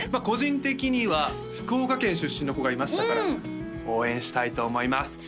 個人的には福岡県出身の子がいましたから応援したいと思います